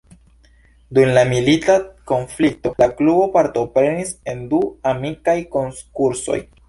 Dum la milita konflikto, la klubo partoprenis en du amikaj konkursoj.